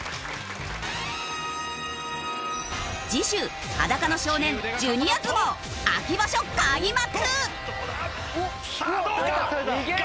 次週『裸の少年』ジュニア相撲秋場所開幕！